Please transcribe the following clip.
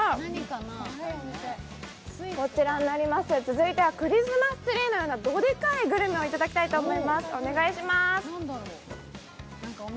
こちらになります、続いてはクリスマスツリーのようなドデカいグルメをいただきたいと思います。